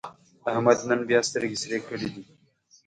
احمد نن بیا سترګې سرې کړې دي.